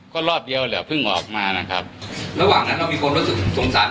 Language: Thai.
ก็รอบเดียวแหละเพิ่งออกมานะครับระหว่างนั้นเรามีคนรู้สึกสงสาร